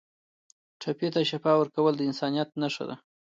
ټپي ته شفا ورکول د انسانیت نښه ده.